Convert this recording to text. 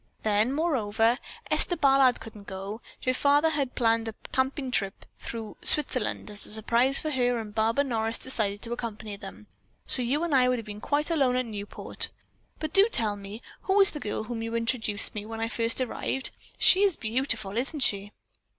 Then, moreover, Esther Ballard couldn't go. Her artist father had planned a tramping trip through Switzerland as a surprise for her and Barbara Morris decided to accompany them; so you and I would have been quite alone at Newport. But do tell me who is the girl to whom you introduced me when I first arrived? She is beautiful, isn't she?"